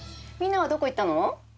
みんなはどこ行ったの？